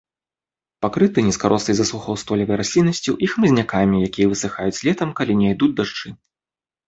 Пакрыта нізкарослай засухаўстойлівай расліннасцю і хмызнякамі, якія высыхаюць летам, калі не ідуць дажджы.